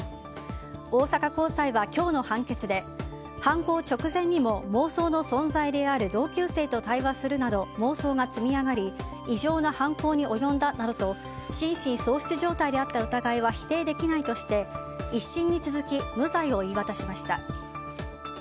大阪高裁は今日の判決で犯行直前にも妄想の存在である同級生と対話するなど妄想が積み上がり異常な犯行に及んだなどと心神喪失状態であった疑いは否定できないとして１審に続き無罪を言い渡しました。